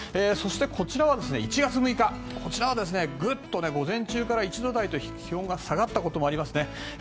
そして、こちらは１月６日こちらはグッと、午前中から１度台と気温が下がったこともありますね。